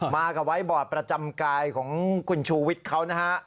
มากับไว้บอร์ดประจำกายของคุณชูวิทย์เขานะฮะ